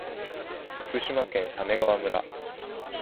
福島県鮫川村